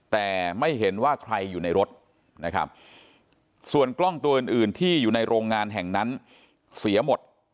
แต่ไม่เห็นว่าใครอยู่ในรถนะครับส่วนกล้องตัวอื่นอื่นที่อยู่ในโรงงานแห่งนั้นเสียหมด